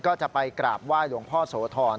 ก็จะไปกราบไหว้หลวงพ่อโสธร